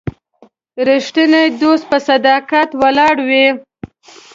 رښتینی دوستي په صداقت ولاړه وي.